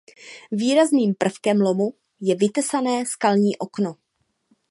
Výrazným prvkem lomu je vytesané skalní okno.